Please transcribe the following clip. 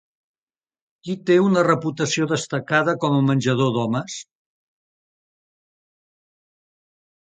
Qui té una reputació destacada com a menjador d'homes?